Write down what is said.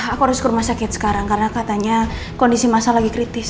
aku harus ke rumah sakit sekarang karena katanya kondisi masa lagi kritis